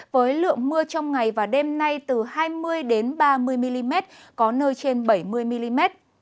với lượng mưa trong ngày và đêm nay từ hai mươi ba mươi mm có nơi trên bảy mươi mm